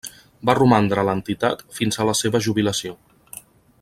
Va romandre a l'entitat fins a la seva jubilació.